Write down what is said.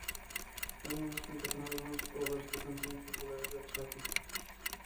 Además cuenta con algunos "covers" de canciones populares de otros artistas.